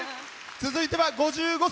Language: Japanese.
続いては５５歳。